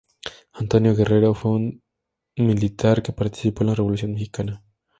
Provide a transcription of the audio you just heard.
Antonio Guerrero fue un militar mexicano que participó en la Revolución mexicana.